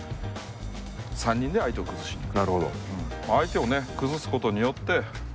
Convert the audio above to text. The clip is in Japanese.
３人で相手を崩しにいく。